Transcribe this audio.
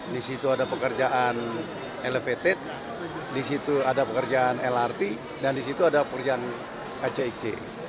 di situ ada pekerjaan elevated di situ ada pekerjaan lrt dan di situ ada pekerjaan kcic